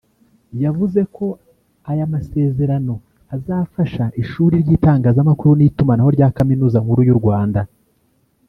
yavuze ko aya masezerano azafasha ishuri ry’itangazamakuru n’itumanaho rya Kaminuza Nkuru y’u Rwanda